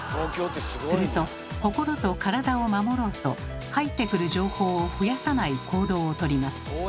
すると心と体を守ろうと入ってくる情報を増やさない行動を取ります。